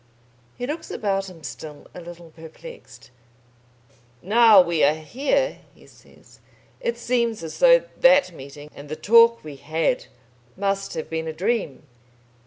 He looks about him still a little perplexed. "Now we are here," he says, "it seems as though that meeting and the talk we had must have been a dream."